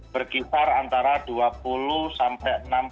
berkitar antara dua puluh sampai enam puluh persen di atas november